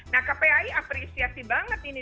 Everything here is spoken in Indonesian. nah kpai apresiasi banget ini